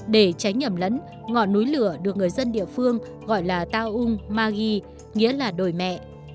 để tránh nhầm lẫn ngọn núi lửa được người dân địa phương gọi là tao um magi nghĩa là đồi mẹ